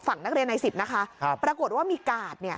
นักเรียนใน๑๐นะคะปรากฏว่ามีกาด